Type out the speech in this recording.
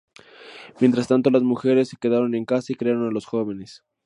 Mientras tanto, las mujeres se quedaron en casa y criaron a los jóvenes.